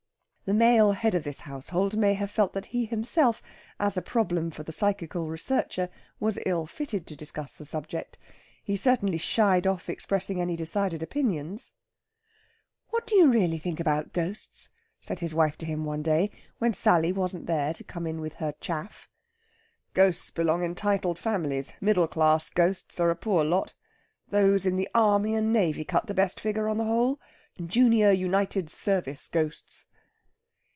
The male head of this household may have felt that he himself, as a problem for the Psychical Researcher, was ill fitted to discuss the subject. He certainly shied off expressing any decided opinions. "What do you really think about ghosts?" said his wife to him one day, when Sally wasn't there to come in with her chaff. "Ghosts belong in titled families. Middle class ghosts are a poor lot. Those in the army and navy cut the best figure, on the whole Junior United Service ghosts...."